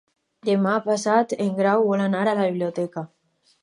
Demà passat en Grau vol anar a la biblioteca.